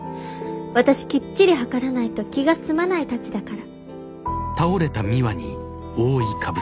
私きっちり量らないと気が済まないタチだから。